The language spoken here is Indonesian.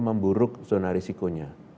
memburuk zona risikonya